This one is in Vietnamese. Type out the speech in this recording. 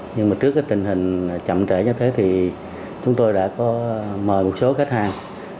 nhưng mà trước cái tình hình chậm trễ như thế thì chúng tôi đã có mời một số khách hàng